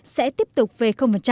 sẽ tiếp tục về